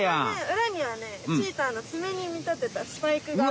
うらにはねチーターの爪にみたてたスパイクが。